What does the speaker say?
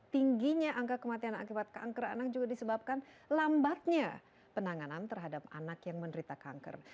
tingginya angka kematian akibat kanker anak juga disebabkan lambatnya penanganan terhadap anak yang menderita kanker